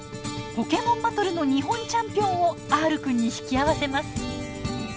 ポケモンバトルの日本チャンピオンをＲくんに引き合わせます。